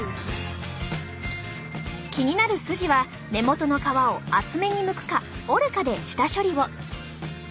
気になるスジは根元の皮を厚めにむくか折るかで下処理を。